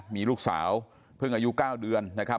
มีลูกสาวเพิ่งอายุ๙เดือนนะครับ